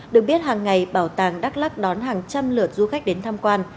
được biết hàng ngày bảo tàng đắk lắc đón hàng trăm lượt du khách đến tham quan